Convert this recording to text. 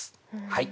はい。